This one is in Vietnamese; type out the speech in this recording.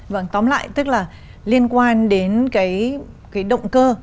vâng tóm lại tức là liên quan đến cái động cơ